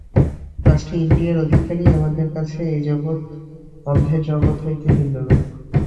পাঁচটি ইন্দ্রিয়ের অধিকারী আমাদের কাছে এই জগৎ অন্ধের জগৎ হইতে ভিন্নরূপ।